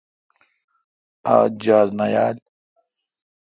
آج جاز نہ یال۔